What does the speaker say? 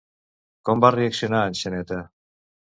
Com va reaccionar en Xaneta?